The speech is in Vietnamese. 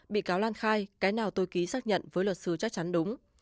bị cáo lan khai cái nào tôi ký xác nhận với luật sư chắc chắn đúng